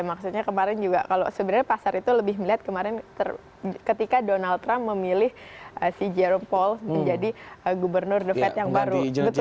maksudnya kemarin juga kalau sebenarnya pasar itu lebih melihat kemarin ketika donald trump memilih si jerome poll menjadi gubernur the fed yang baru